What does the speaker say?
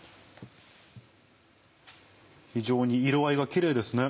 非常に色合いがキレイですね。